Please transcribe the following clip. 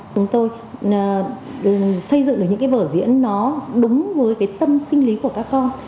chúng tôi xây dựng được những cái vở diễn nó đúng với cái tâm sinh lý của các con